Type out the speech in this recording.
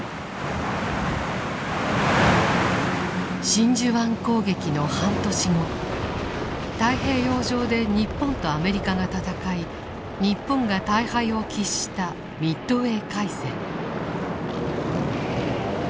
真珠湾攻撃の半年後太平洋上で日本とアメリカが戦い日本が大敗を喫したミッドウェー海戦。